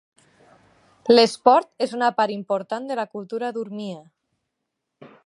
L'esport és una part important de la cultura d'Urmia.